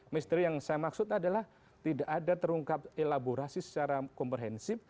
misteri yang saya maksud adalah tidak ada terungkap elaborasi secara komprehensif